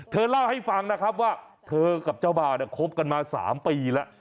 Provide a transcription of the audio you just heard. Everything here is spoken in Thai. เธอเล่าให้ฟังนะครับว่าเธอกับเจ้าบ่าวคบกันมา๓ปีแล้ว